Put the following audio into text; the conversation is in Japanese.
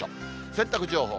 洗濯情報。